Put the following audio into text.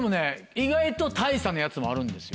意外と大差なやつもあるんですよ。